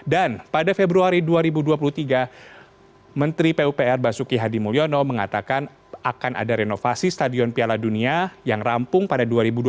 dan pada februari dua ribu dua puluh tiga menteri pupr basuki hadi mulyono mengatakan akan ada renovasi stadion piala dunia yang rampung pada dua ribu dua puluh tiga